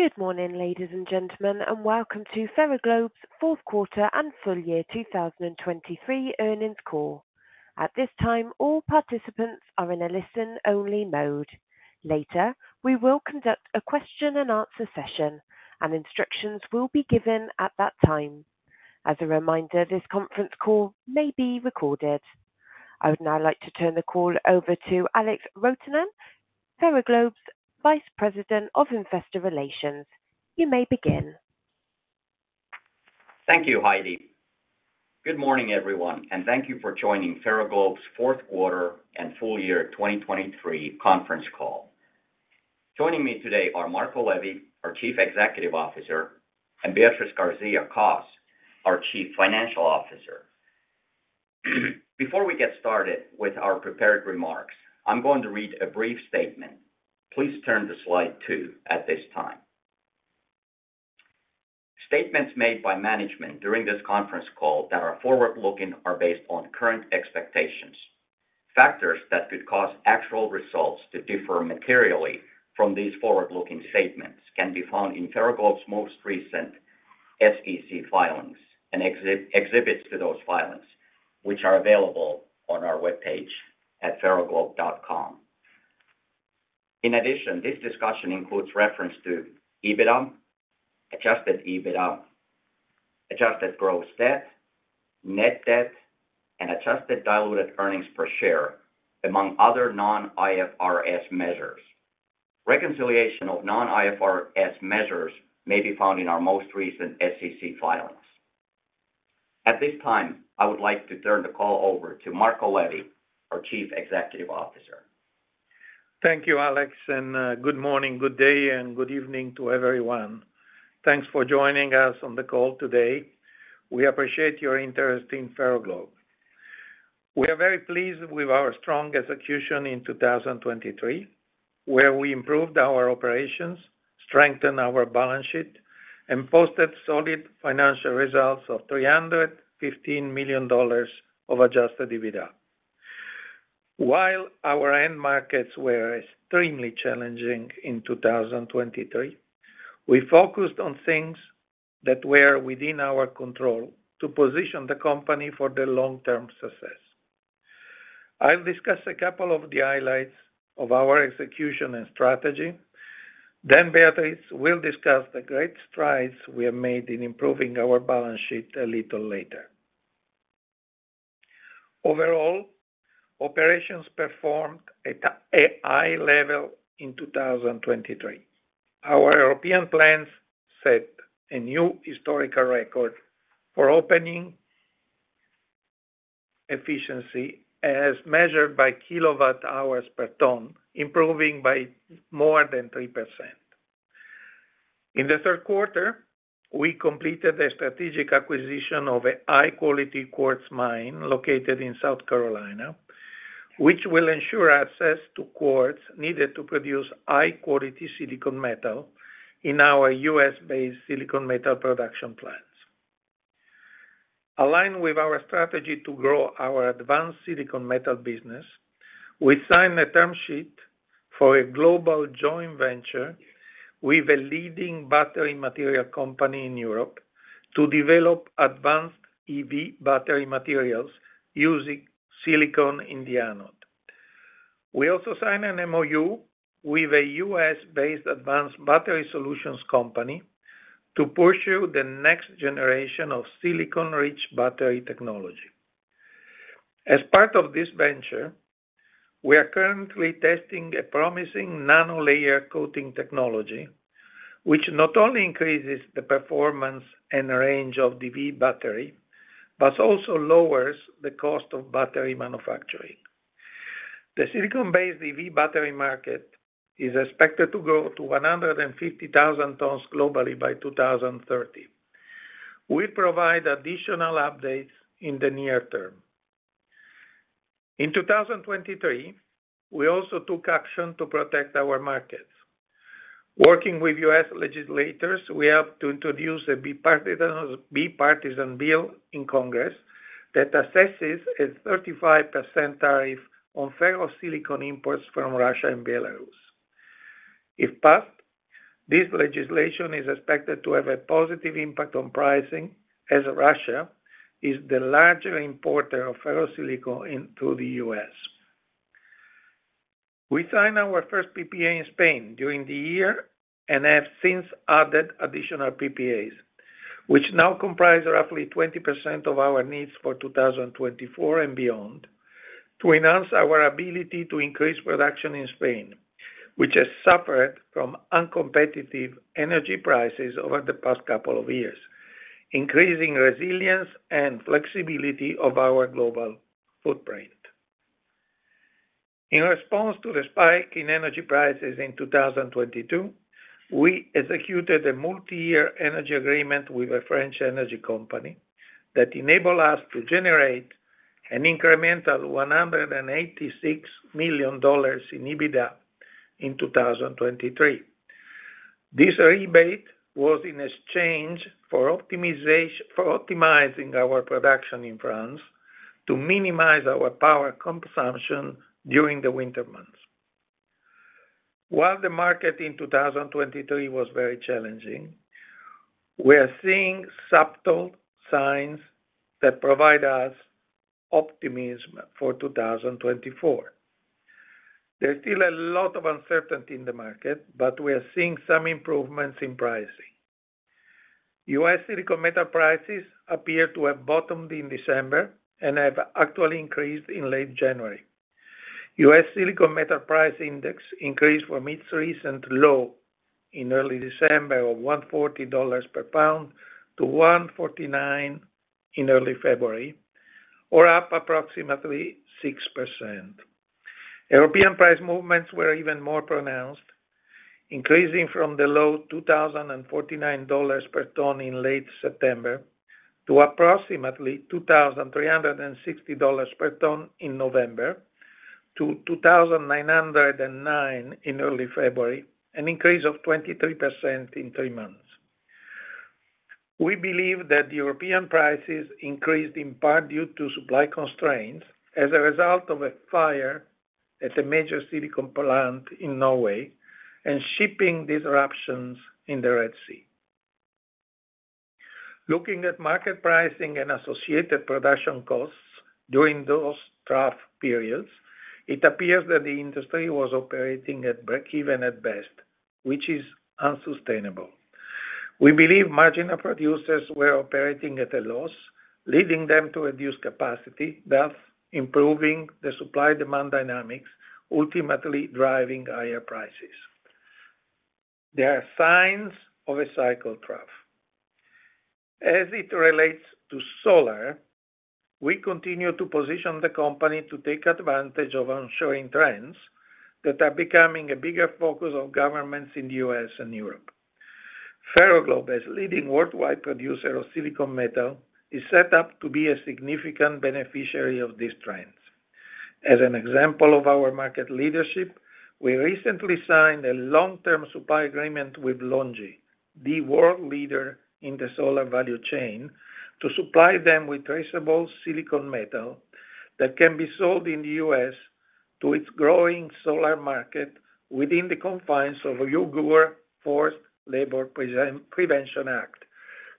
Good morning, ladies and gentlemen, and welcome to Ferroglobe's fourth quarter and full year 2023 earnings call. At this time, all participants are in a listen-only mode. Later, we will conduct a question and answer session, and instructions will be given at that time. As a reminder, this conference call may be recorded. I would now like to turn the call over to Alex Rotonen, Ferroglobe's Vice President of Investor Relations. You may begin. Thank you, Heidi. Good morning, everyone, and thank you for joining Ferroglobe's fourth quarter and full year 2023 conference call. Joining me today are Marco Levi, our Chief Executive Officer, and Beatriz García-Cos, our Chief Financial Officer. Before we get started with our prepared remarks, I'm going to read a brief statement. Please turn to slide 2 at this time. Statements made by management during this conference call that are forward-looking are based on current expectations. Factors that could cause actual results to differ materially from these forward-looking statements can be found in Ferroglobe's most recent SEC filings and exhibits to those filings, which are available on our webpage at ferroglobe.com. In addition, this discussion includes reference to EBITDA, adjusted EBITDA, adjusted gross debt, net debt, and adjusted diluted earnings per share, among other non-IFRS measures. Reconciliation of non-IFRS measures may be found in our most recent SEC filings. At this time, I would like to turn the call over to Marco Levi, our Chief Executive Officer. Thank you, Alex, and good morning, good day, and good evening to everyone. Thanks for joining us on the call today. We appreciate your interest in Ferroglobe. We are very pleased with our strong execution in 2023, where we improved our operations, strengthened our balance sheet, and posted solid financial results of $315 million of adjusted EBITDA. While our end markets were extremely challenging in 2023, we focused on things that were within our control to position the company for the long-term success. I'll discuss a couple of the highlights of our execution and strategy, then Beatriz will discuss the great strides we have made in improving our balance sheet a little later. Overall, operations performed at a high level in 2023. Our European plants set a new historical record for opening efficiency as measured by kilowatt hours per ton, improving by more than 3%. In the third quarter, we completed a strategic acquisition of a high-quality quartz mine located in South Carolina, which will ensure access to quartz needed to produce high-quality silicon metal in our U.S.-based silicon metal production plants. Aligned with our strategy to grow our advanced silicon metal business, we signed a term sheet for a global joint venture with a leading battery material company in Europe to develop advanced EV battery materials using silicon in the anode. We also signed an MOU with a U.S.-based advanced battery solutions company to pursue the next generation of silicon-rich battery technology. As part of this venture, we are currently testing a promising nano-layer coating technology, which not only increases the performance and range of the EV battery, but also lowers the cost of battery manufacturing. The silicon-based EV battery market is expected to grow to 150,000 tons globally by 2030. We provide additional updates in the near-term. In 2023, we also took action to protect our markets. Working with U.S. legislators, we helped to introduce a bipartisan bill in Congress that assesses a 35% tariff on ferrosilicon imports from Russia and Belarus. If passed, this legislation is expected to have a positive impact on pricing, as Russia is the larger importer of ferrosilicon into the U.S. We signed our first PPA in Spain during the year and have since added additional PPAs, which now comprise roughly 20% of our needs for 2024 and beyond, to enhance our ability to increase production in Spain, which has suffered from uncompetitive energy prices over the past couple of years, increasing resilience and flexibility of our global footprint. In response to the spike in energy prices in 2022, we executed a multi-year energy agreement with a French energy company that enabled us to generate an incremental $186 million in EBITDA in 2023. This rebate was in exchange for optimizing our production in France to minimize our power consumption during the winter months. While the market in 2023 was very challenging, we are seeing subtle signs that provide us optimism for 2024. There's still a lot of uncertainty in the market, but we are seeing some improvements in pricing. U.S. silicon metal prices appear to have bottomed in December and have actually increased in late January. U.S. silicon metal price index increased from its recent low in early December of $140 per pound to $149 in early February, or up approximately 6%. European price movements were even more pronounced, increasing from the low $2,049 per ton in late September, to approximately $2,360 per ton in November, to $2,909 in early February, an increase of 23% in three months. We believe that the European prices increased in part due to supply constraints as a result of a fire at a major silicon plant in Norway and shipping disruptions in the Red Sea. Looking at market pricing and associated production costs during those trough periods, it appears that the industry was operating at breakeven at best, which is unsustainable. We believe marginal producers were operating at a loss, leading them to reduce capacity, thus improving the supply-demand dynamics, ultimately driving higher prices. There are signs of a cycle trough. As it relates to solar, we continue to position the company to take advantage of onshoring trends that are becoming a bigger focus of governments in the U.S. and Europe. Ferroglobe, as leading worldwide producer of silicon metal, is set up to be a significant beneficiary of these trends. As an example of our market leadership, we recently signed a long-term supply agreement with LONGi, the world leader in the solar value chain, to supply them with traceable silicon metal that can be sold in the U.S. to its growing solar market within the confines of Uyghur Forced Labor Prevention Act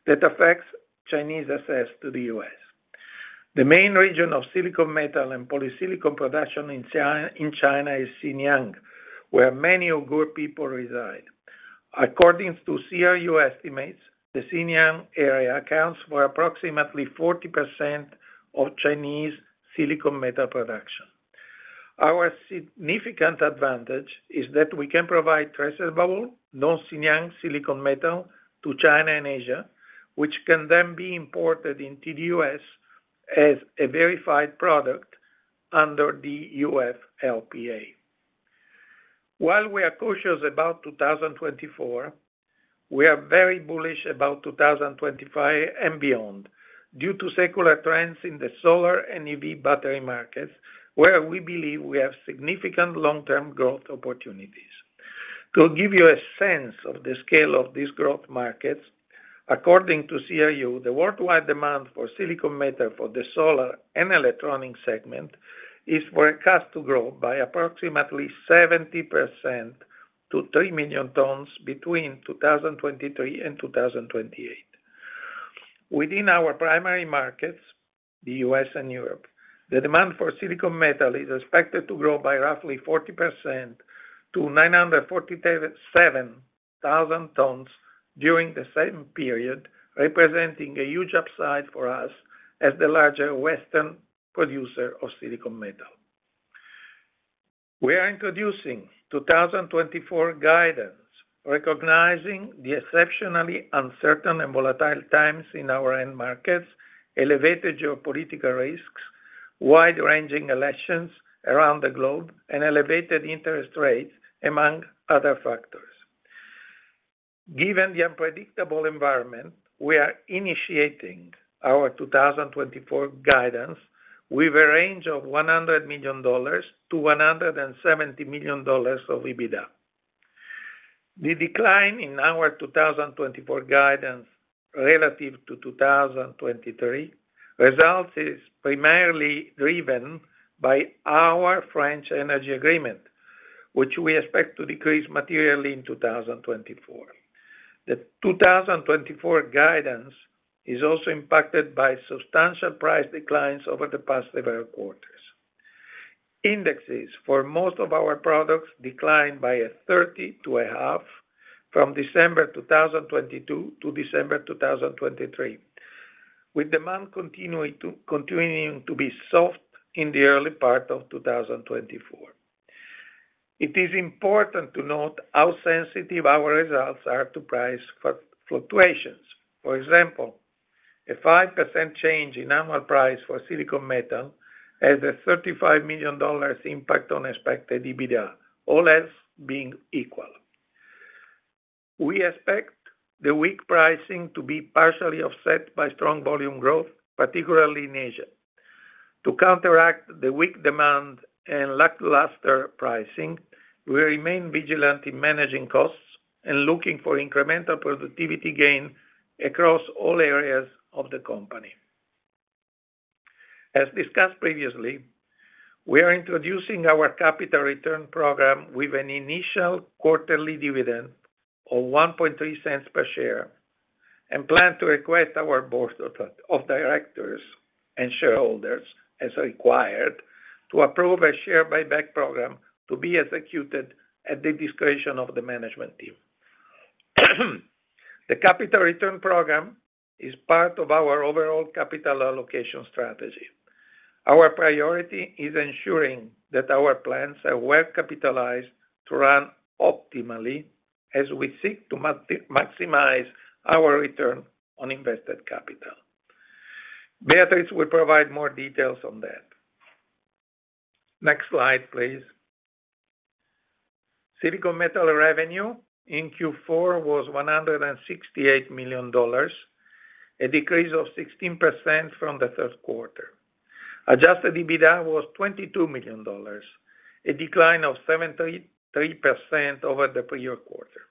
that affects Chinese access to the U.S. The main region of silicon metal and polysilicon production in China, in China is Xinjiang, where many Uyghur people reside. According to CRU estimates, the Xinjiang area accounts for approximately 40% of Chinese silicon metal production. Our significant advantage is that we can provide traceable, non-Xinjiang silicon metal to China and Asia, which can then be imported into the U.S. as a verified product under the UFLPA. While we are cautious about 2024, we are very bullish about 2025 and beyond, due to secular trends in the solar and EV battery markets, where we believe we have significant long-term growth opportunities. To give you a sense of the scale of these growth markets, according to CRU, the worldwide demand for silicon metal for the solar and electronic segment is forecast to grow by approximately 70% to 3 million tons between 2023 and 2028. Within our primary markets, the U.S. and Europe, the demand for silicon metal is expected to grow by roughly 40% to 947,000 tons during the same period, representing a huge upside for us as the larger Western producer of silicon metal. We are introducing 2024 guidance, recognizing the exceptionally uncertain and volatile times in our end markets, elevated geopolitical risks, wide-ranging elections around the globe, and elevated interest rates, among other factors. Given the unpredictable environment, we are initiating our 2024 guidance with a range of $100 million-$170 million of EBITDA. The decline in our 2024 guidance relative to 2023 results is primarily driven by our French Energy Agreement, which we expect to decrease materially in 2024. The 2024 guidance is also impacted by substantial price declines over the past several quarters. Indexes for most of our products declined by 30%-50% from December 2022 to December 2023, with demand continuing to, continuing to be soft in the early part of 2024. It is important to note how sensitive our results are to price fluctuations. For example, a 5% change in our price for silicon metal has a $35 million impact on expected EBITDA, all else being equal. We expect the weak pricing to be partially offset by strong volume growth, particularly in Asia. To counteract the weak demand and lackluster pricing, we remain vigilant in managing costs and looking for incremental productivity gain across all areas of the company. As discussed previously, we are introducing our capital return program with an initial quarterly dividend of $0.013 per share, and plan to request our board of directors and shareholders, as required, to approve a share buyback program to be executed at the discretion of the management team. The capital return program is part of our overall capital allocation strategy. Our priority is ensuring that our plans are well capitalized to run optimally as we seek to maximize our return on invested capital. Beatriz will provide more details on that. Next slide, please. Silicon metal revenue in Q4 was $168 million, a decrease of 16% from the third quarter. Adjusted EBITDA was $22 million, a decline of 73% over the prior quarter.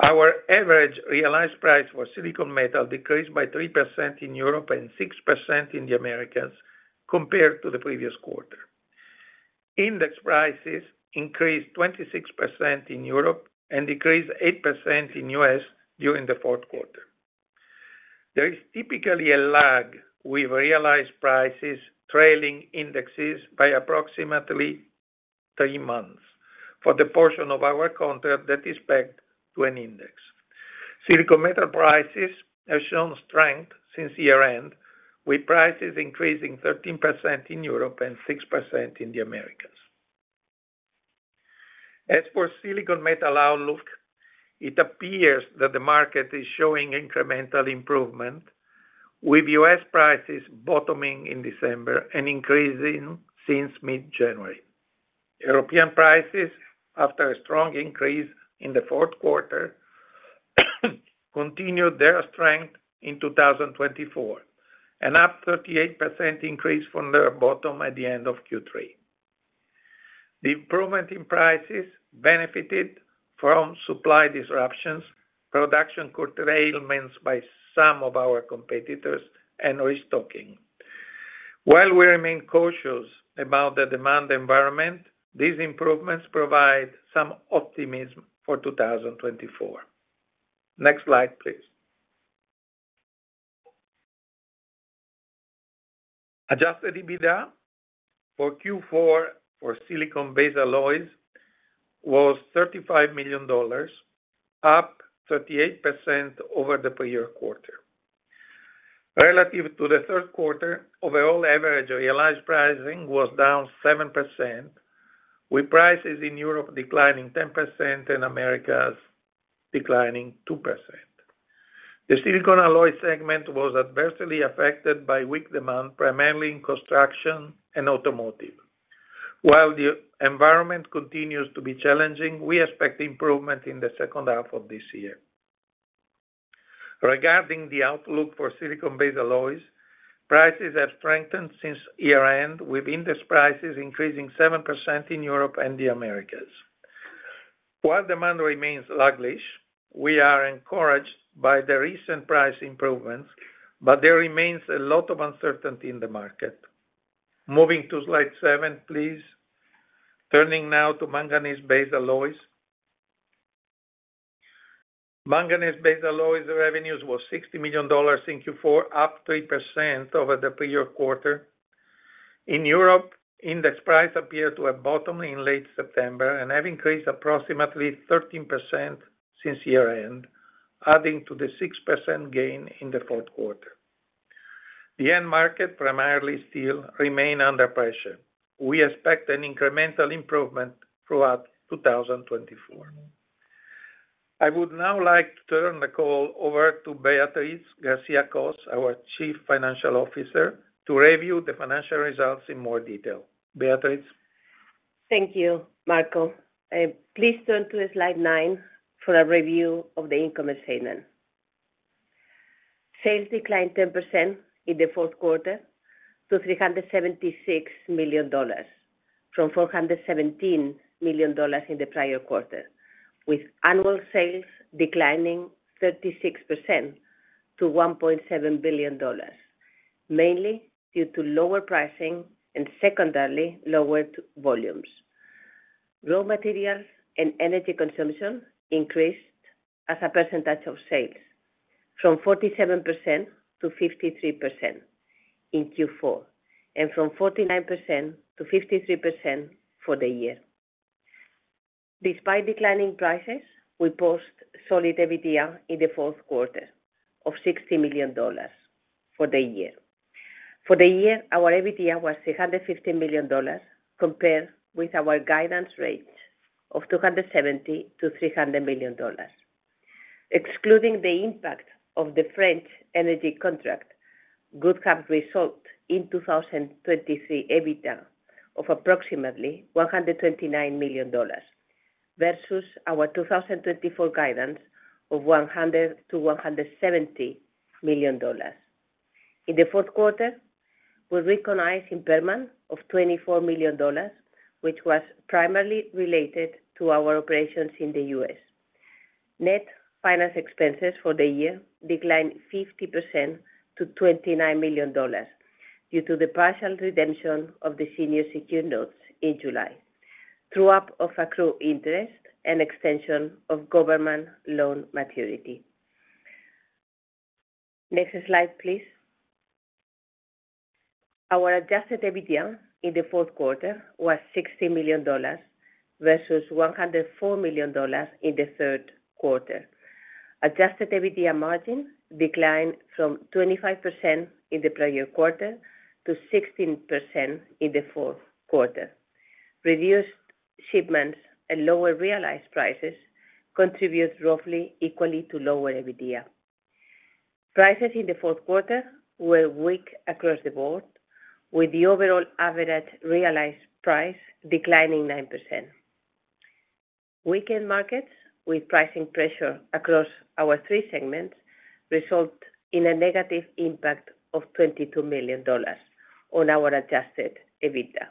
Our average realized price for silicon metal decreased by 3% in Europe and 6% in the Americas, compared to the previous quarter. Index prices increased 26% in Europe and decreased 8% in U.S. during the fourth quarter. There is typically a lag with realized prices, trailing indexes by approximately three months for the portion of our contract that is pegged to an index. Silicon metal prices have shown strength since year-end, with prices increasing 13% in Europe and 6% in the Americas. As for silicon metal outlook, it appears that the market is showing incremental improvement, with U.S. prices bottoming in December and increasing since mid-January. European prices, after a strong increase in the fourth quarter, continued their strength in 2024, an up 38% increase from their bottom at the end of Q3. The improvement in prices benefited from supply disruptions, production curtailments by some of our competitors, and restocking. While we remain cautious about the demand environment, these improvements provide some optimism for 2024. Next slide, please. Adjusted EBITDA for Q4 for silicon-based alloys was $35 million, up 38% over the prior quarter. Relative to the third quarter, overall average realized pricing was down 7%, with prices in Europe declining 10% and Americas declining 2%. The silicon alloy segment was adversely affected by weak demand, primarily in construction and automotive. While the environment continues to be challenging, we expect improvement in the second half of this year. Regarding the outlook for silicon-based alloys, prices have strengthened since year-end, with index prices increasing 7% in Europe and the Americas. While demand remains sluggish, we are encouraged by the recent price improvements, but there remains a lot of uncertainty in the market. Moving to slide 7, please. Turning now to manganese-based alloys. Manganese-based alloys revenues was $60 million in Q4, up 3% over the prior quarter. In Europe, index price appeared to have bottomed in late September and have increased approximately 13% since year-end, adding to the 6% gain in the fourth quarter. The end market, primarily steel, remain under pressure. We expect an incremental improvement throughout 2024. I would now like to turn the call over to Beatriz García-Cos, our Chief Financial Officer, to review the financial results in more detail. Beatriz? Thank you, Marco. Please turn to slide 9 for a review of the income statement. Sales declined 10% in the fourth quarter to $376 million, from $417 million in the prior quarter, with annual sales declining 36% to $1.7 billion, mainly due to lower pricing and secondarily, lower volumes. Raw materials and energy consumption increased as a percentage of sales from 47% to 53% in Q4, and from 49% to 53% for the year. Despite declining prices, we post solid EBITDA in the fourth quarter of $60 million for the year. For the year, our EBITDA was $350 million, compared with our guidance range of $270 million-$300 million. Excluding the impact of the French energy contract, Goodcap result in 2023 EBITDA of approximately $129 million, versus our 2024 guidance of $100 million-$170 million. In the fourth quarter, we recognized impairment of $24 million, which was primarily related to our operations in the U.S. Net finance expenses for the year declined 50% to $29 million due to the partial redemption of the senior secured notes in July, true up of accrued interest and extension of government loan maturity. Next slide, please. Our Adjusted EBITDA in the fourth quarter was $60 million versus $104 million in the third quarter. Adjusted EBITDA margin declined from 25% in the prior quarter to 16% in the fourth quarter. Reduced shipments and lower realized prices contributed roughly equally to lower EBITDA. Prices in the fourth quarter were weak across the board, with the overall average realized price declining 9%. Weaker markets with pricing pressure across our three segments resulted in a negative impact of $22 million on our adjusted EBITDA.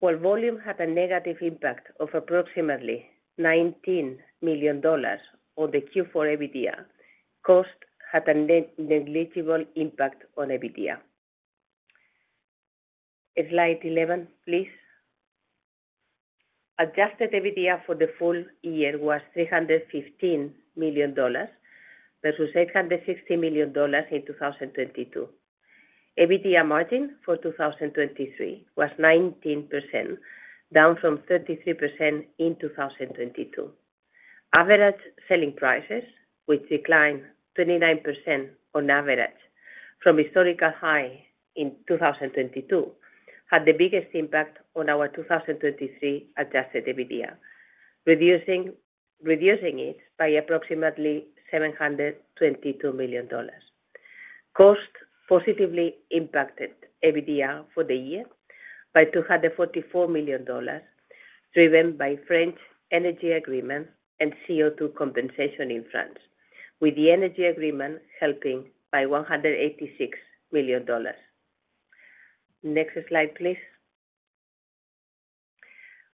While volume had a negative impact of approximately $19 million on the Q4 EBITDA, cost had a negligible impact on EBITDA. Slide 11, please. Adjusted EBITDA for the full year was $315 million versus $860 million in 2022. EBITDA margin for 2023 was 19%, down from 33% in 2022. Average selling prices, which declined 29% on average from historical high in 2022, had the biggest impact on our 2023 adjusted EBITDA, reducing it by approximately $722 million. Cost positively impacted EBITDA for the year by $244 million, driven by French Energy Agreements and CO2 compensation in France, with the energy agreement helping by $186 million. Next slide, please.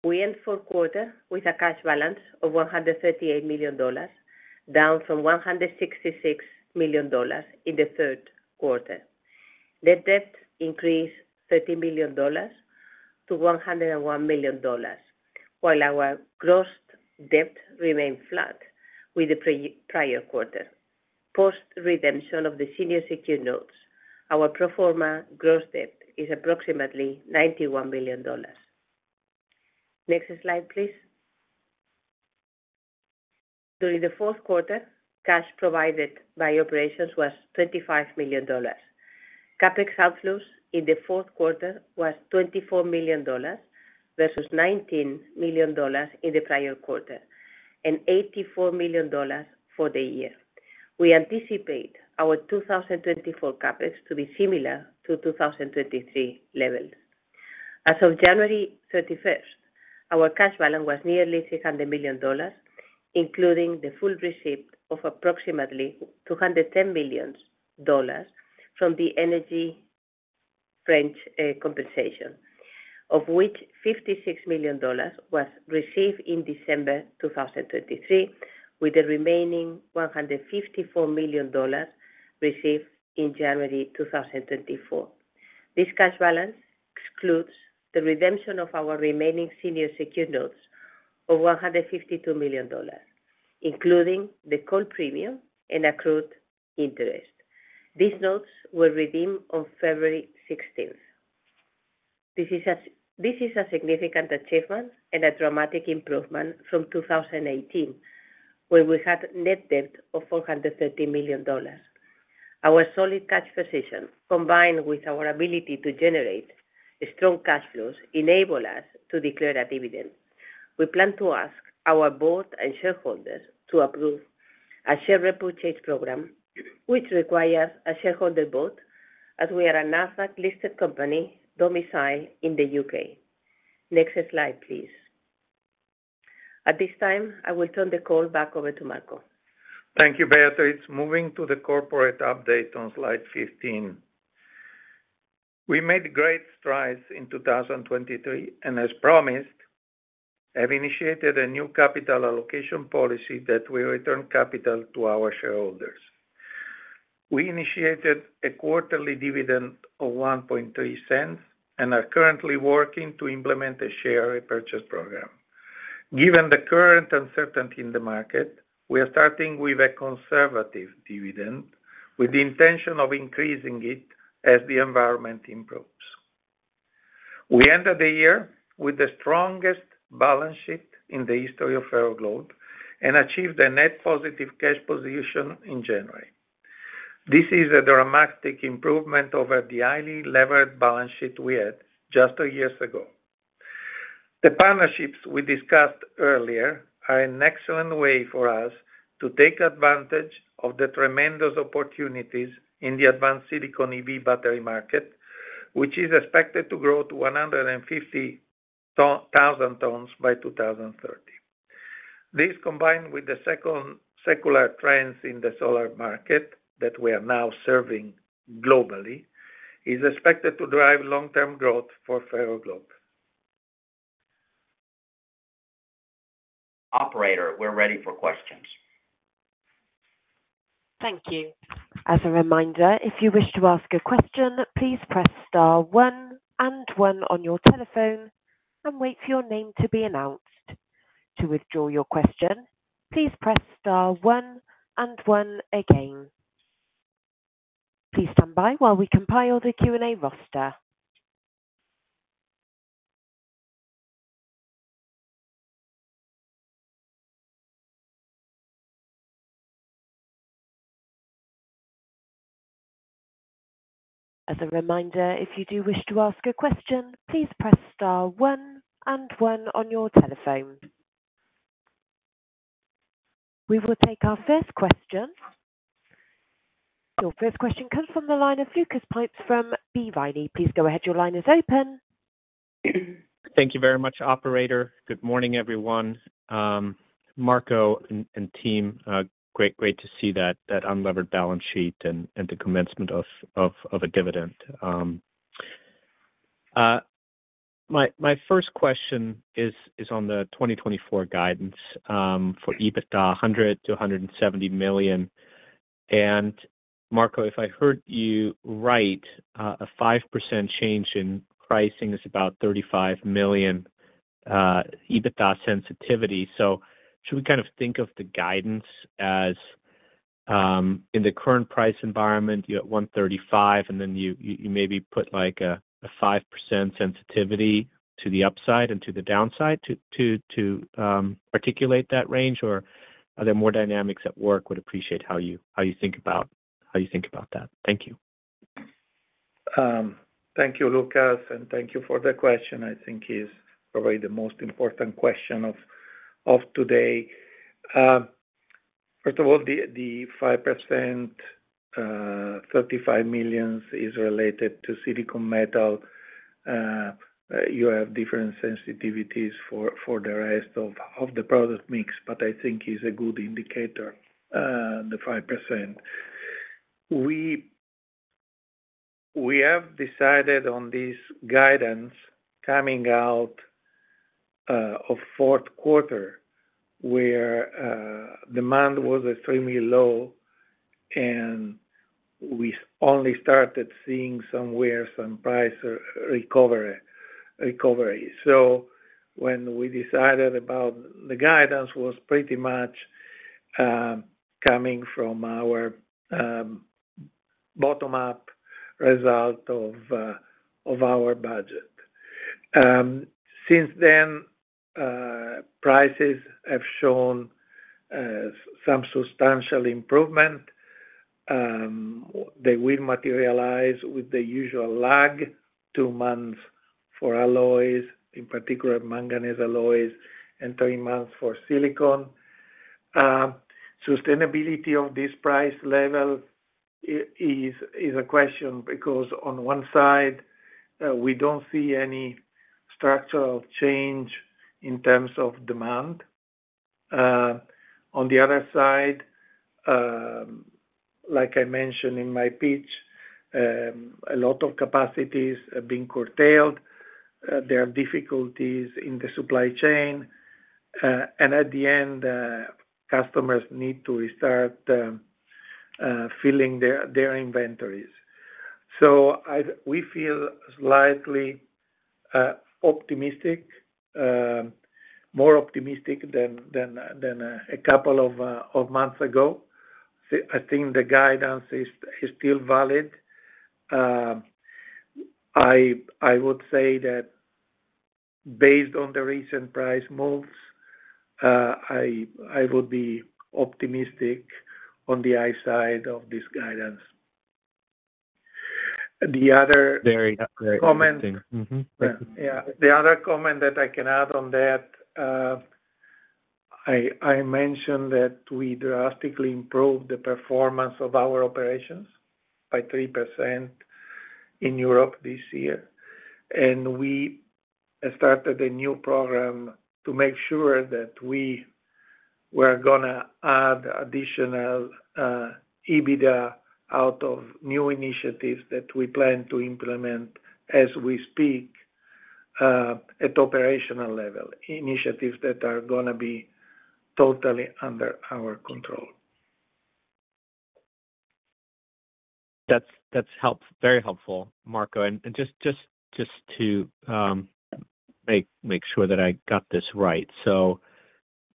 We end fourth quarter with a cash balance of $138 million, down from $166 million in the third quarter. Net debt increased $13 million to $101 million, while our gross debt remained flat with the prior quarter. Post-redemption of the senior secured notes, our pro forma gross debt is approximately $91 million. Next slide, please. During the fourth quarter, cash provided by operations was $25 million. CapEx outflows in the fourth quarter was $24 million versus $19 million in the prior quarter, and $84 million for the year. We anticipate our 2024 CapEx to be similar to 2023 levels. As of January 31st, our cash balance was nearly $600 million, including the full receipt of approximately $210 million from the French energy compensation, of which $56 million was received in December 2023, with the remaining $154 million received in January 2024. This cash balance excludes the redemption of our remaining senior secured notes of $152 million, including the call premium and accrued interest. These notes were redeemed on February 16th. This is a significant achievement and a dramatic improvement from 2018, where we had net debt of $413 million. Our solid cash position, combined with our ability to generate strong cash flows, enable us to declare a dividend. We plan to ask our board and shareholders to approve a share repurchase program, which requires a shareholder vote, as we are a NASDAQ-listed company domiciled in the U.K. Next slide, please. At this time, I will turn the call back over to Marco. Thank you, Beatriz. Moving to the corporate update on slide 15. We made great strides in 2023, and as promised, have initiated a new capital allocation policy that will return capital to our shareholders. We initiated a quarterly dividend of $0.013 and are currently working to implement a share repurchase program. Given the current uncertainty in the market, we are starting with a conservative dividend, with the intention of increasing it as the environment improves. We ended the year with the strongest balance sheet in the history of Ferroglobe, and achieved a net positive cash position in January. This is a dramatic improvement over the highly levered balance sheet we had just two years ago. The partnerships we discussed earlier are an excellent way for us to take advantage of the tremendous opportunities in the advanced silicon EV battery market, which is expected to grow to 150,000 tons by 2030. This, combined with the secular trends in the solar market that we are now serving globally, is expected to drive long-term growth for Ferroglobe. Operator, we're ready for questions. Thank you. As a reminder, if you wish to ask a question, please press star one and one on your telephone and wait for your name to be announced. To withdraw your question, please press star one and one again. Please stand by while we compile the Q&A roster. As a reminder, if you do wish to ask a question, please press star one and one on your telephone. We will take our first question. Your first question comes from the line of Lucas Pipes from B. Riley. Please go ahead. Your line is open. Thank you very much, operator. Good morning, everyone. Marco and team, great to see that unlevered balance sheet and the commencement of a dividend. My first question is on the 2024 guidance for EBITDA $100 million-$170 million. And Marco, if I heard you right, a 5% change in pricing is about $35 million EBITDA sensitivity. So should we kind of think of the guidance as in the current price environment, you have $135 million, and then you maybe put, like, a 5% sensitivity to the upside and to the downside to articulate that range? Or are there more dynamics at work, would appreciate how you think about that? Thank you. Thank you, Lucas, and thank you for the question. I think is probably the most important question of today. First of all, the 5%, $35 million is related to silicon metal. You have different sensitivities for the rest of the product mix, but I think is a good indicator, the 5%. We have decided on this guidance coming out of fourth quarter, where demand was extremely low, and we only started seeing some price recovery. So when we decided about the guidance was pretty much coming from our bottom-up result of our budget. Since then, prices have shown some substantial improvement. They will materialize with the usual lag, two months for alloys, in particular manganese alloys, and three months for silicon. Sustainability of this price level is a question because on one side, we don't see any structural change in terms of demand. On the other side, like I mentioned in my pitch, a lot of capacities are being curtailed. There are difficulties in the supply chain, and at the end, customers need to restart filling their inventories. So we feel slightly optimistic, more optimistic than a couple of months ago. I think the guidance is still valid. I would say that based on the recent price moves, I would be optimistic on the high side of this guidance. The other comment. Mm-hmm. Yeah. The other comment that I can add on that, I mentioned that we drastically improved the performance of our operations by 3% in Europe this year, and we started a new program to make sure that we were gonna add additional EBITDA out of new initiatives that we plan to implement as we speak, at operational level, initiatives that are gonna be totally under our control. That's very helpful, Marco. Just to make sure that I got this right. So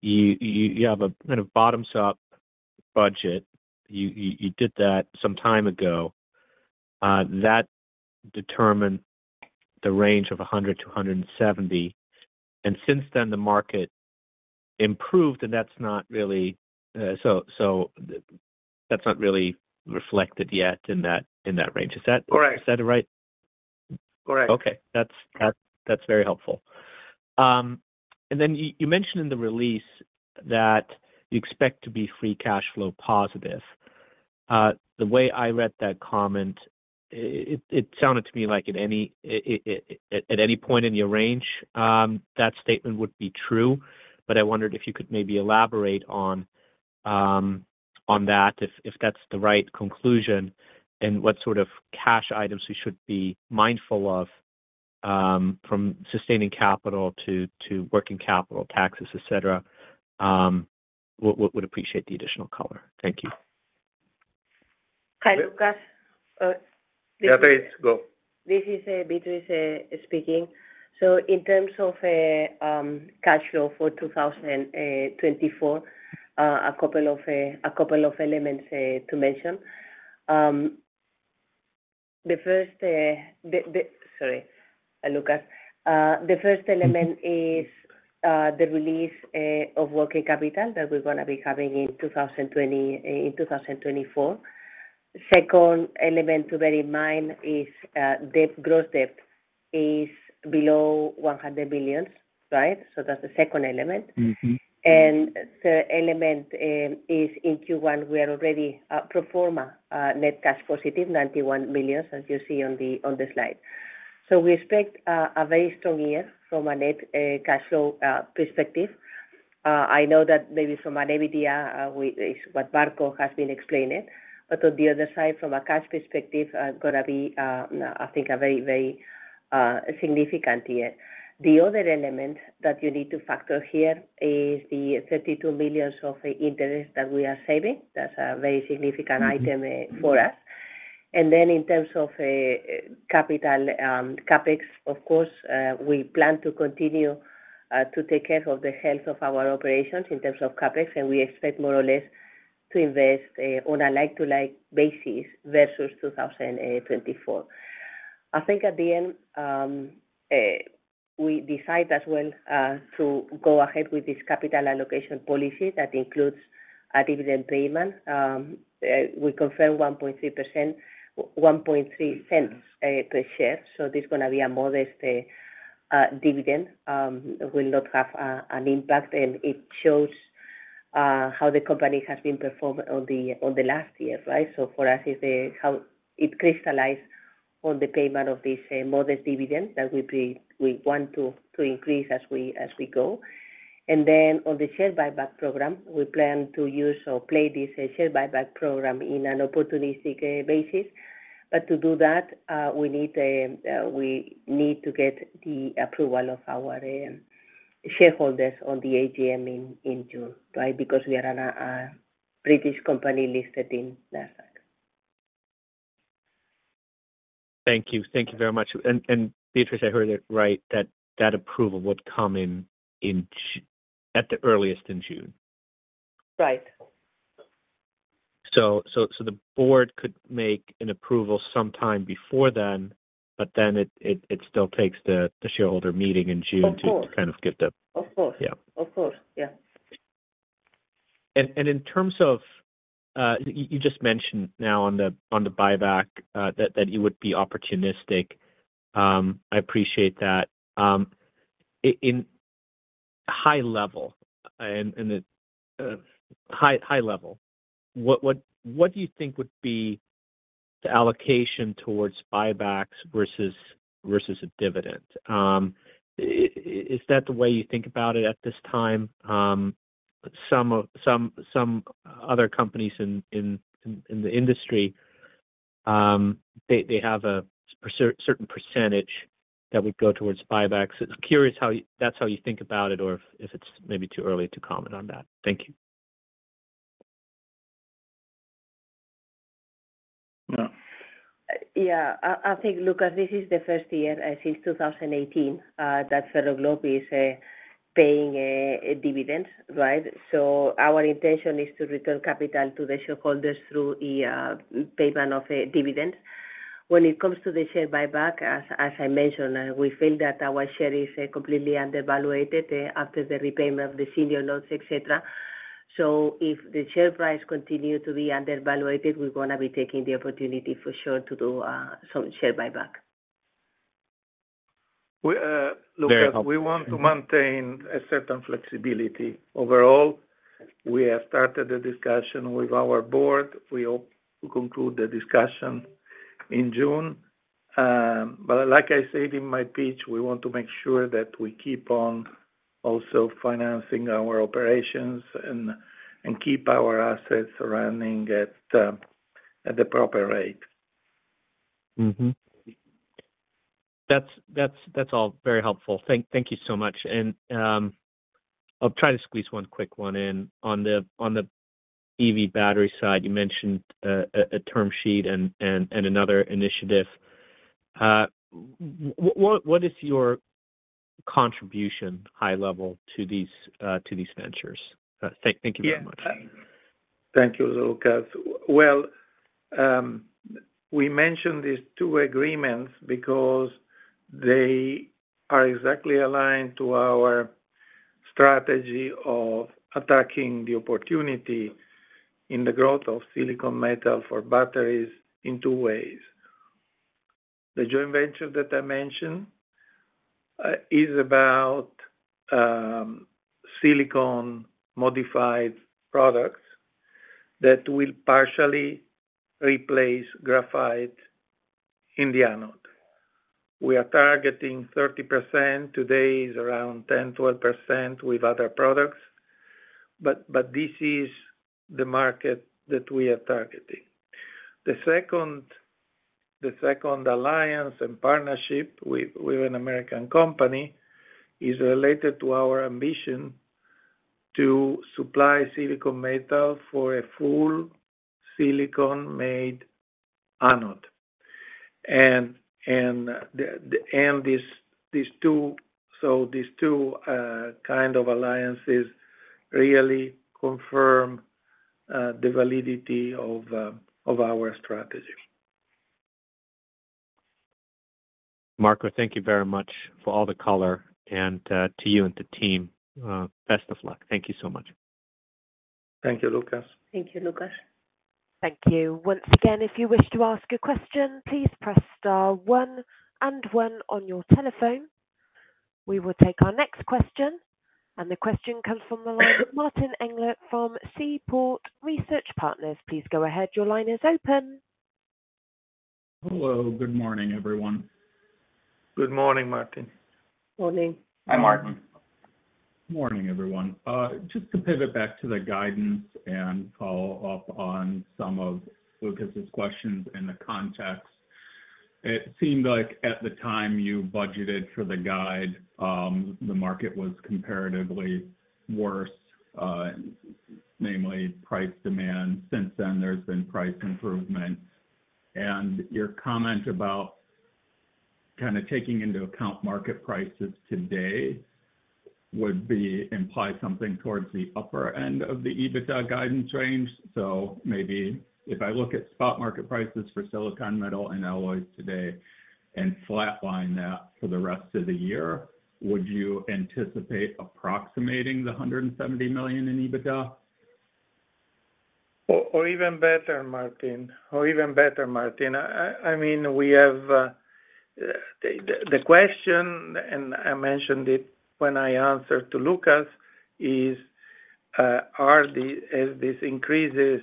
you have a kind of bottoms-up budget. You did that some time ago. That determined the range of $100-$170, and since then, the market improved, and that's not really reflected yet in that range. Is that. Correct. Is that right? Correct. Okay. That's very helpful. And then you mentioned in the release that you expect to be free cash flow positive. The way I read that comment, it sounded to me like at any point in your range, that statement would be true. But I wondered if you could maybe elaborate on that, if that's the right conclusion, and what sort of cash items we should be mindful of, from sustaining capital to working capital, taxes, et cetera. I would appreciate the additional color. Thank you. Hi, Lucas. Yeah, please go. This is Beatriz speaking. So in terms of cash flow for 2024, a couple of elements to mention. The first element is the release of working capital that we're gonna be having in 2024. Second element to bear in mind is debt, gross debt is below $100 million, right? So that's the second element. Mm-hmm. And the third element is in Q1, we are already pro forma net cash positive, $91 million, as you see on the slide. So we expect a very strong year from a net cash flow perspective. I know that maybe from an EBITDA, is what Marco has been explaining. But on the other side, from a cash perspective, gonna be, I think, a very, very significant year. The other element that you need to factor here is the $32 million of interest that we are saving. That's a very significant item for us. And then in terms of capital, CapEx, of course, we plan to continue to take care of the health of our operations in terms of CapEx, and we expect more or less to invest on a like-to-like basis versus 2024. I think at the end, we decide as well to go ahead with this capital allocation policy that includes a dividend payment. We confirm $0.013 per share, so this is gonna be a modest dividend. Will not have an impact, and it shows how the company has been performed on the last year, right? So for us, it's how it crystallized on the payment of this modest dividend that we want to increase as we go. And then on the share buyback program, we plan to use or play this share buyback program in an opportunistic basis. But to do that, we need to get the approval of our shareholders on the AGM in June, right? Because we are a British company listed in NASDAQ. Thank you. Thank you very much. And Beatriz, I heard it right, that approval would come in at the earliest in June? Right. So the board could make an approval sometime before then, but then it still takes the shareholder meeting in June. Of course. To kind of get the. Of course. Yeah. Of course, yeah. In terms of, you just mentioned now on the buyback, that you would be opportunistic. I appreciate that. In high level, what do you think would be the allocation towards buybacks versus a dividend? Is that the way you think about it at this time? Some other companies in the industry, they have a certain percentage that would go towards buybacks. Curious how you. That's how you think about it, or if it's maybe too early to comment on that? Thank you. Yeah. I think, Lucas, this is the first year since 2018 that Ferroglobe is paying a dividend, right? So our intention is to return capital to the shareholders through the payment of a dividend. When it comes to the share buyback, as I mentioned, we feel that our share is completely undervalued after the repayment of the senior loans, et cetera. So if the share price continue to be undervalued, we're gonna be taking the opportunity for sure to do some share buyback. We, Lucas. Yeah. We want to maintain a certain flexibility. Overall, we have started a discussion with our board. We hope to conclude the discussion in June. But like I said in my pitch, we want to make sure that we keep on also financing our operations and keep our assets running at the proper rate. Mm-hmm. That's all very helpful. Thank you so much. And I'll try to squeeze one quick one in. On the EV battery side, you mentioned a term sheet and another initiative. What is your contribution, high level, to these ventures? Thank you very much. Yeah. Thank you, Lucas. Well, we mentioned these two agreements because they are exactly aligned to our strategy of attacking the opportunity in the growth of silicon metal for batteries in two ways. The joint venture that I mentioned is about silicon-modified products that will partially replace graphite in the anode. We are targeting 30%, today is around 10%, 12% with other products, but this is the market that we are targeting. The second alliance and partnership with an American company is related to our ambition to supply silicon metal for a full silicon-made anode. And these two-- so these two kind of alliances really confirm the validity of our strategy. Marco, thank you very much for all the color, and, to you and the team, best of luck. Thank you so much. Thank you, Lucas. Thank you, Lucas. Thank you. Once again, if you wish to ask a question, please press star one and one on your telephone. We will take our next question, and the question comes from the line of Martin Englert from Seaport Research Partners. Please go ahead, your line is open. Hello, good morning, everyone. Good morning, Martin. Morning. Hi, Martin. Morning, everyone. Just to pivot back to the guidance and follow-up on some of Lucas's questions in the context, it seemed like at the time you budgeted for the guide, the market was comparatively worse, namely price demand. Since then, there's been price improvement. And your comment about kind of taking into account market prices today would imply something towards the upper end of the EBITDA guidance range. So maybe if I look at spot market prices for silicon metal and alloys today and flatline that for the rest of the year, would you anticipate approximating the $170 million in EBITDA? Or even better, Martin, I mean, we have the question, and I mentioned it when I answered to Lucas, is, as these increases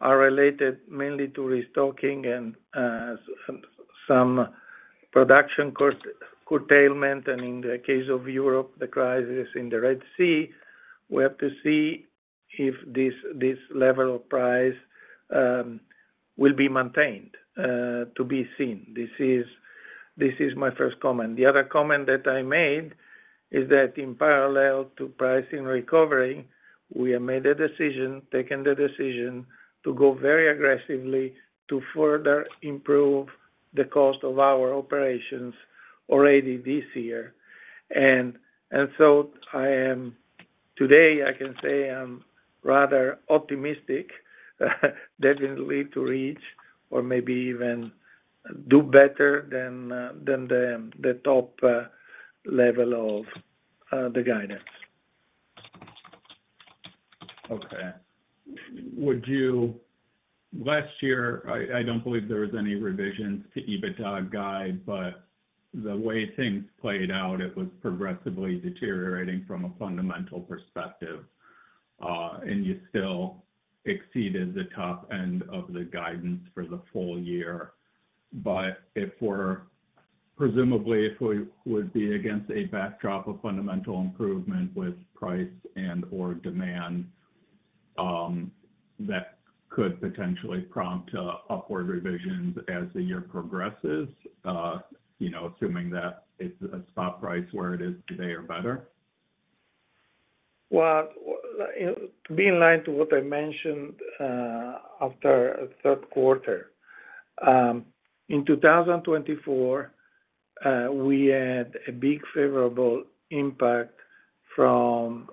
are related mainly to restocking and some production cost curtailment, and in the case of Europe, the crisis in the Red Sea, we have to see if this level of price will be maintained, to be seen. This is my first comment. The other comment that I made is that in parallel to pricing recovery, we have made a decision, taken the decision to go very aggressively to further improve the cost of our operations already this year. Today, I can say I'm rather optimistic, definitely to reach or maybe even do better than the top level of the guidance. Okay. Last year, I don't believe there was any revisions to EBITDA guide, but the way things played out, it was progressively deteriorating from a fundamental perspective, and you still exceeded the top end of the guidance for the full year. But presumably, if we would be against a backdrop of fundamental improvement with price and/or demand, that could potentially prompt upward revisions as the year progresses, you know, assuming that it's a spot price where it is today or better? Well, to be in line to what I mentioned, after third quarter, in 2024, we had a big favorable impact from,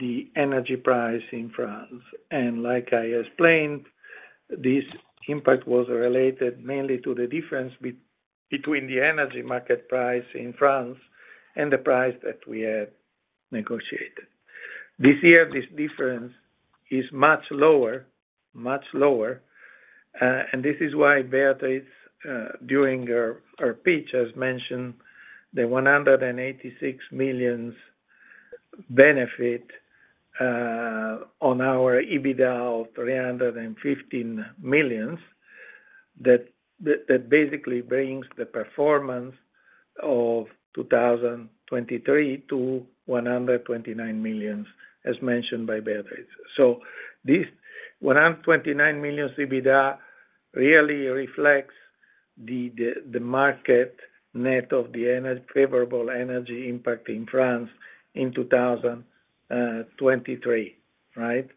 the energy price in France. Like I explained, this impact was related mainly to the difference between the energy market price in France and the price that we had negotiated. This year, this difference is much lower, much lower, and this is why Beatriz, during her pitch, has mentioned the $186 million benefit, on our EBITDA of $315 million, that basically brings the performance of 2023 to $129 million, as mentioned by Beatriz. This $129 million EBITDA really reflects the market net of the energy favorable energy impact in France in 2023, right?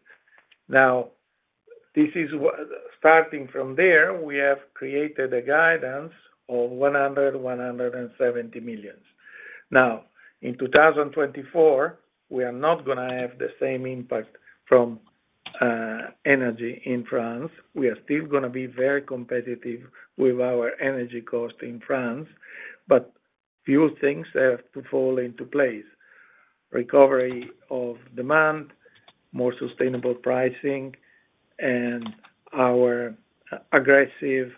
Starting from there, we have created a guidance of $100 million-$170 million. Now, in 2024, we are not gonna have the same impact from energy in France. We are still gonna be very competitive with our energy cost in France, but few things have to fall into place. Recovery of demand, more sustainable pricing, and our aggressive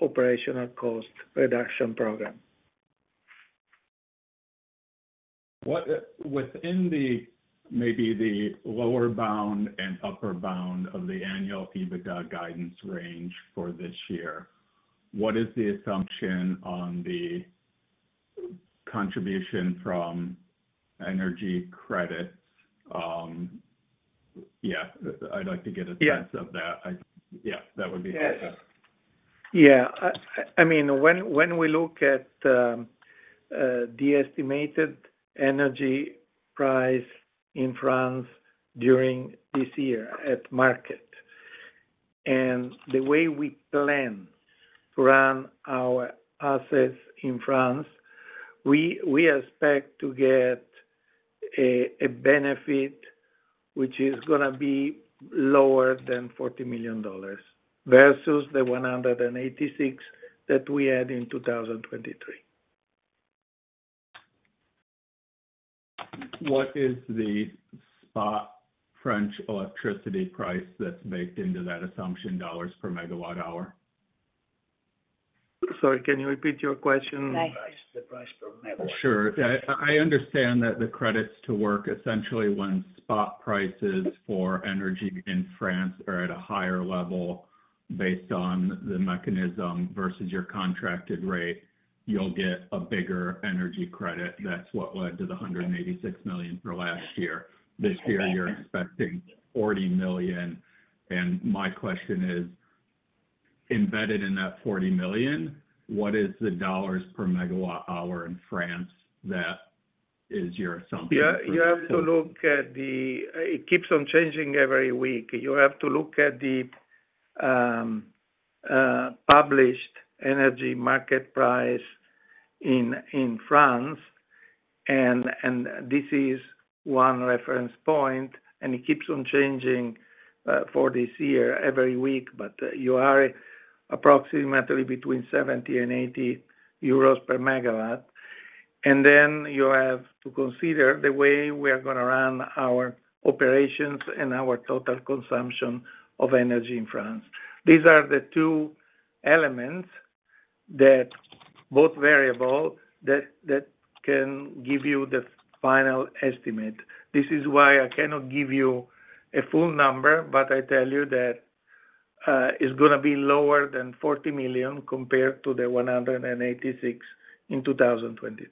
operational cost reduction program. What, within the, maybe the lower bound and upper bound of the annual EBITDA guidance range for this year, what is the assumption on the contribution from energy credits? Yeah, I'd like to get a sense of that. Yeah. Yeah, that would be helpful. Yeah. I mean, when we look at the estimated energy price in France during this year at market, and the way we plan to run our assets in France, we expect to get a benefit which is gonna be lower than $40 million, versus the $186 million that we had in 2023. What is the spot French electricity price that's baked into that assumption, dollars per megawatt hour? Sorry, can you repeat your question? The price, the price per megawatt. Sure. I understand that the credits to work essentially when spot prices for energy in France are at a higher level based on the mechanism versus your contracted rate, you'll get a bigger energy credit. That's what led to the $186 million for last year. This year, you're expecting $40 million. And my question is: Embedded in that $40 million, what is the dollars per megawatt hour in France that is your assumption? Yeah, it keeps on changing every week. You have to look at the published energy market price in France, and this is one reference point, and it keeps on changing for this year, every week. But you are approximately between 70 and 80 euros per megawatt. And then you have to consider the way we are gonna run our operations and our total consumption of energy in France. These are the two elements that, both variable, that can give you the final estimate. This is why I cannot give you a full number, but I tell you that it's gonna be lower than $40 million compared to the $186 million in 2023.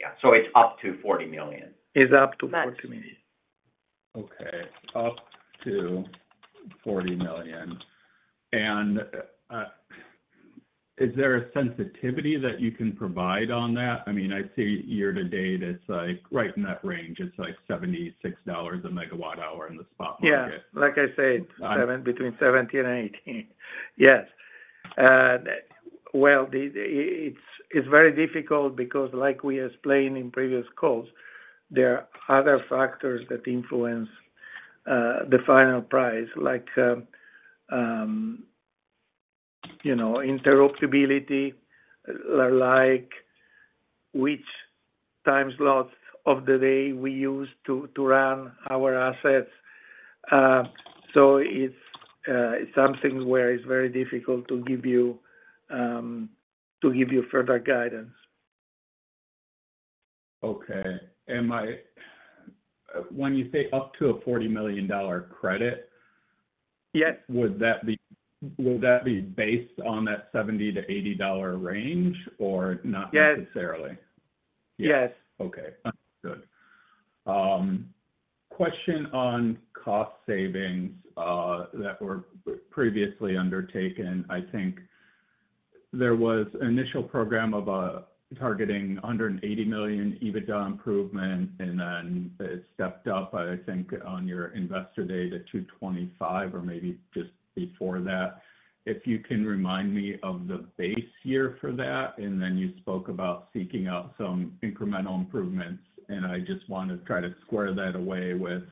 Yeah, so it's up to $40 million. It's up to $40 million. Okay, up to $40 million. And, is there a sensitivity that you can provide on that? I mean, I see year to date, it's like right in that range. It's like $76/MWh in the spot market. Yeah, like I said, between 70 and 80. Yes. Well, it's very difficult because, like we explained in previous calls, there are other factors that influence the final price, like, you know, interruptibility, like which time slots of the day we use to run our assets. So it's something where it's very difficult to give you further guidance. Okay. When you say up to a $40 million credit. Yes. Would that be based on that $70-$80 range or not? Yes Necessarily? Yes. Okay, good. Question on cost savings that were previously undertaken. I think there was an initial program of targeting under an $80 million EBITDA improvement, and then it stepped up, I think, on your Investor Day to $225 or maybe just before that. If you can remind me of the base year for that, and then you spoke about seeking out some incremental improvements, and I just wanna try to square that away with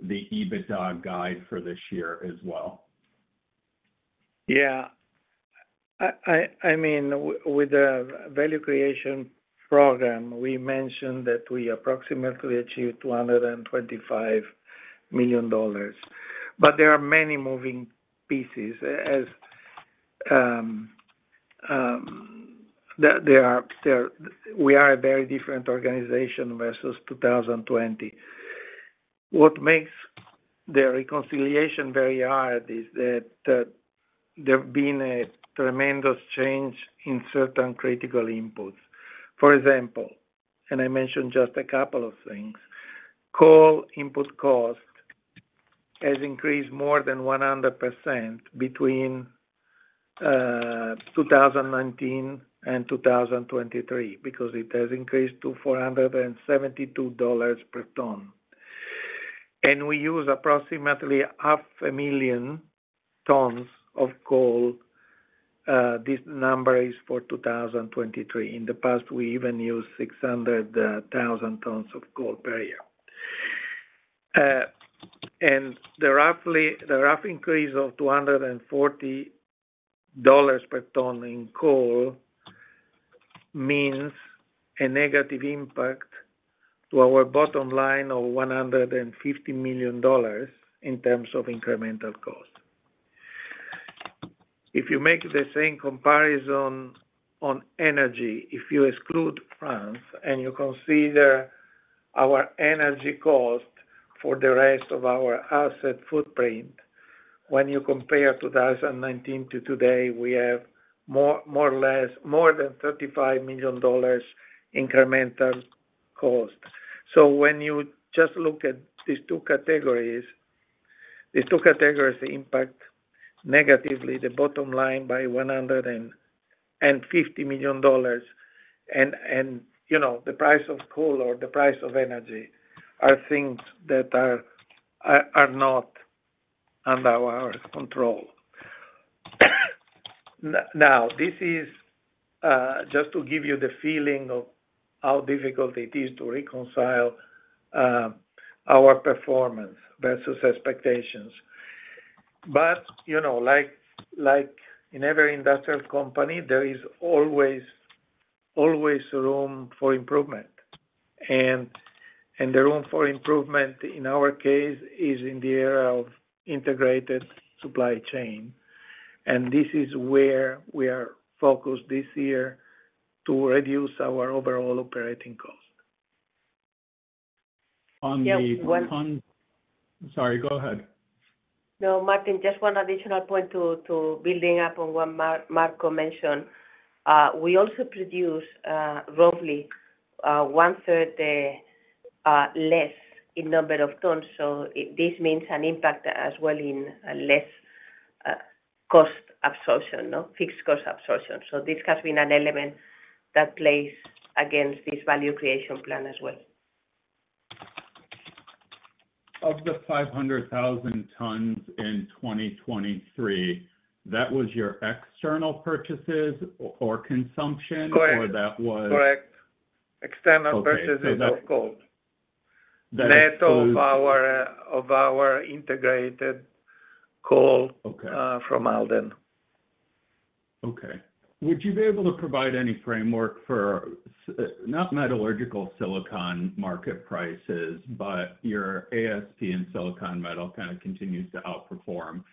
the EBITDA guide for this year as well. Yeah. I mean, with the value creation program, we mentioned that we approximately achieved $225 million. But there are many moving pieces, as there are— there— we are a very different organization versus 2020. What makes the reconciliation very hard is that there have been a tremendous change in certain critical inputs. For example, and I mentioned just a couple of things, coal input cost has increased more than 100% between 2019 and 2023, because it has increased to $472 per ton. And we use approximately 500,000 tons of coal. This number is for 2023. In the past, we even used 600,000 tons of coal per year. And the rough increase of $240 per ton in coal means a negative impact to our bottom line of $150 million in terms of incremental cost. If you make the same comparison on energy, if you exclude France, and you consider our energy cost for the rest of our asset footprint, when you compare 2019 to today, we have more or less more than $35 million incremental cost. So when you just look at these two categories, these two categories impact negatively the bottom line by $150 million. And you know, the price of coal or the price of energy are things that are not under our control. Now, this is just to give you the feeling of how difficult it is to reconcile our performance versus expectations. But, you know, like, like, in every industrial company, there is always, always room for improvement, and, and the room for improvement in our case is in the area of integrated supply chain, and this is where we are focused this year to reduce our overall operating cost. On the. Yeah, one. Sorry, go ahead. No, Martin, just one additional point to building up on what Marco mentioned. We also produce roughly one-third less in number of tons, so this means an impact as well in less cost absorption, no? Fixed cost absorption. So this has been an element that plays against this value creation plan as well. Of the 500,000 tons in 2023, that was your external purchases or consumption? Correct. Or that was. Correct. External purchases. Okay, so that's. Of coal. That includes. Net of our integrated coal. Okay From Alden. Okay. Would you be able to provide any framework for not metallurgical silicon market prices, but your ASP and silicon metal kind of continues to outperform.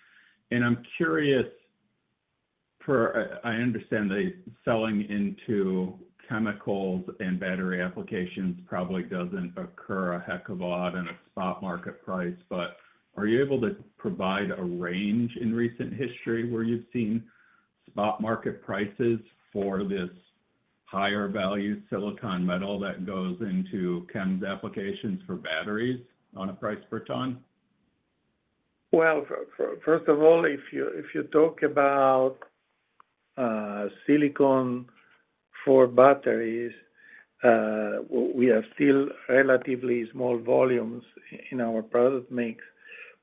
And I'm curious for. I understand that selling into chemicals and battery applications probably doesn't occur a heck of a lot in a spot market price. But are you able to provide a range in recent history where you've seen spot market prices for this higher value silicon metal that goes into chems applications for batteries on a price per ton? Well, first of all, if you talk about silicon for batteries, we are still relatively small volumes in our product mix.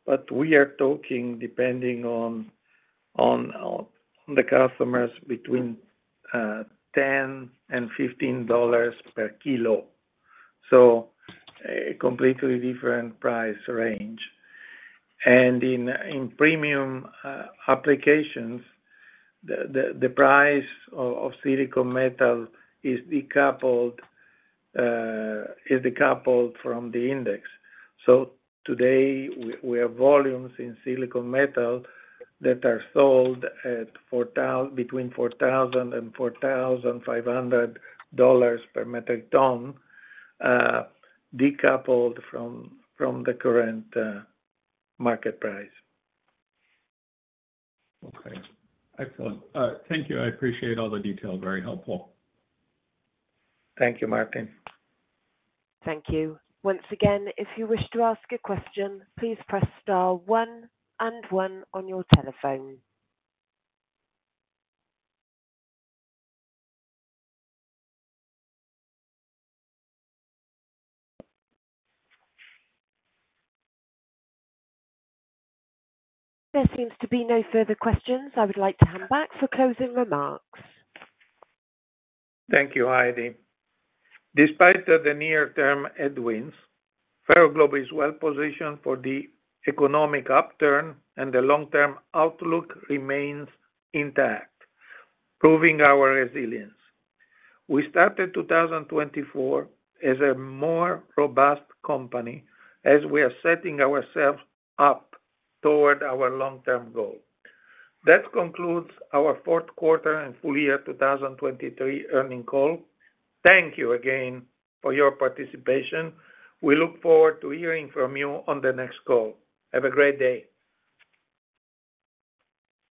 But we are talking, depending on the customers, between $10 and $15 per kilo, so a completely different price range. And in premium applications, the price of silicon metal is decoupled from the index. So today, we have volumes in silicon metal that are sold at between $4,000 and $4,500 per metric ton, decoupled from the current market price. Okay, excellent. Thank you. I appreciate all the detail. Very helpful. Thank you, Martin. Thank you. Once again, if you wish to ask a question, please press star one and one on your telephone. There seems to be no further questions. I would like to hand back for closing remarks. Thank you, Heidi. Despite the near-term headwinds, Ferroglobe is well positioned for the economic upturn, and the long-term outlook remains intact, proving our resilience. We started 2024 as a more robust company as we are setting ourselves up toward our long-term goal. That concludes our fourth quarter and full year 2023 earnings call. Thank you again for your participation. We look forward to hearing from you on the next call. Have a great day.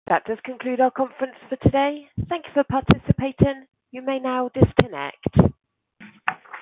That does conclude our conference for today. Thank you for participating. You may now disconnect.